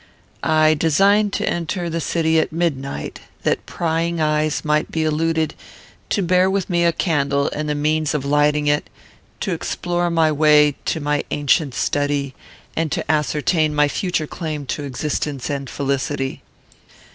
I designed to enter the city at midnight, that prying eyes might be eluded; to bear with me a candle and the means of lighting it, to explore my way to my ancient study, and to ascertain my future claim to existence and felicity.